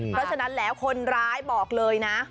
เพราะฉะนั้นแล้วคนร้ายบอกเลยนะ